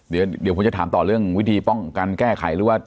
เดี๋ยวผมจะถามต่อเรื่องวิธีป้องกันแก้ไขหรือว่า